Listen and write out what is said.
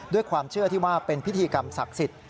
ความเชื่อที่ว่าเป็นพิธีกรรมศักดิ์สิทธิ์